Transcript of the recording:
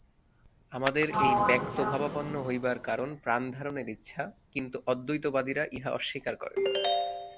আমাদের এই ব্যক্তভাবাপন্ন হইবার কারণ প্রাণধারণের ইচ্ছা, কিন্তু অদ্বৈতবাদীরা ইহা অস্বীকার করেন।